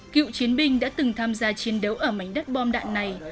cựu chiến binh đã từng tham gia chiến đấu ở mảnh đất bom đạn này